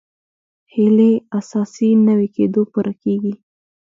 هیلې اساسي نوي کېدو پوره کېږي.